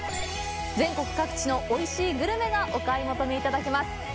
全国各地のおいしいグルメがお買い求めいただけます。